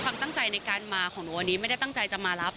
คำตั้งใจในการมาวันนี้ไม่ได้ตั้งใจมารับ